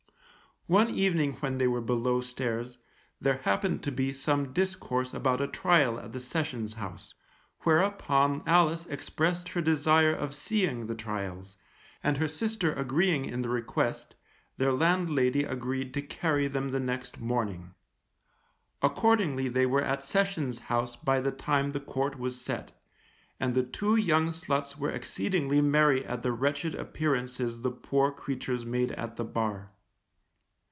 One evening when they were below stairs, there happened to be some discourse about a trial at the Sessions House, whereupon Alice expressed her desire of seeing the trials, and her sister agreeing in the request, their landlady agreed to carry them the next morning. Accordingly they were at Sessions House by the time the Court was set, and the two young sluts were exceedingly merry at the wretched appearances the poor creatures made at the bar.